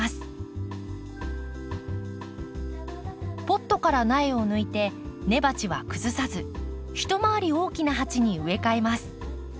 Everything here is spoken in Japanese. ポットから苗を抜いて根鉢は崩さず一回り大きな鉢に植え替えます。